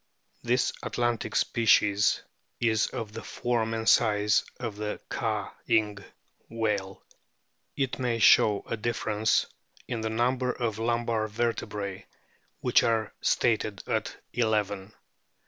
This Atlantic species is of the form and size of the Caa'ing whale. It may show a difference in the num ber of lumbar vertebrae, which are stated at eleven.